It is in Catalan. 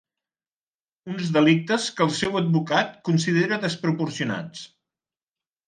Uns delictes que el seu advocat considera desproporcionats.